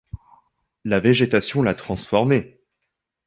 La végétation l’a transformée!